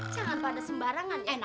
jangan pada sembarangan